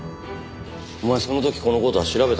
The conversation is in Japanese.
お前その時この事は調べたのか？